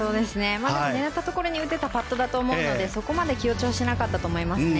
狙ったところに打てたパットだったと思うのでそこまで緊張しなかったと思います。